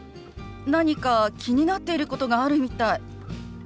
何か気になってることがあるみたい。